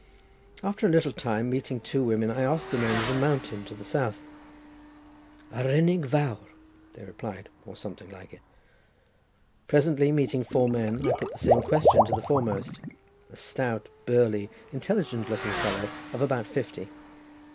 After a little time, meeting two women, I asked them the name of the mountain to the south. "Arenig Vawr," they replied, or something like it. Presently meeting four men, I put the same question to the foremost, a stout, burly, intelligent looking fellow, of about fifty.